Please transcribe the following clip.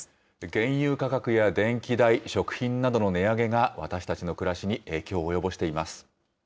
原油価格や電気代、食品などの値上げが私たちの暮らしに影響を及ぼしています。